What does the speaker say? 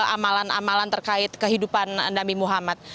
amalan amalan terkait kehidupan nabi muhammad